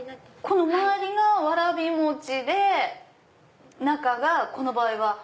この回りがわらび餅で中がこの場合は。